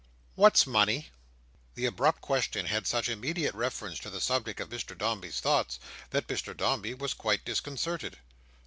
what's money?" The abrupt question had such immediate reference to the subject of Mr Dombey's thoughts, that Mr Dombey was quite disconcerted.